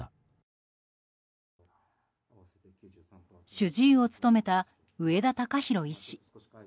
主治医を務めた上田敬博医師。